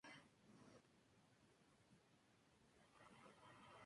Hora Cero Extra!